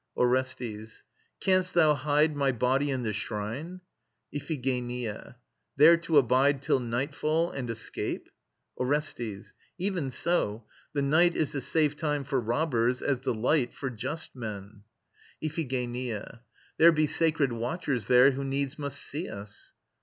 ORESTES. Canst thou hide My body in the shrine? IPHIGENIA. There to abide Till nightfall, and escape? ORESTES. Even so; the night Is the safe time for robbers, as the light For just men. IPHIGENIA. There be sacred watchers there Who needs must see us.